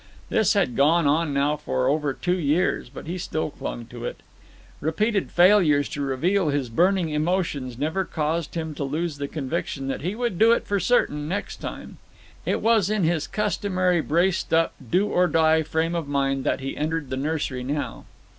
This had gone on now for over two years, but he still clung to it. Repeated failures to reveal his burning emotions never caused him to lose the conviction that he would do it for certain next time. It was in his customary braced up, do or die frame of mind that he entered the nursery now.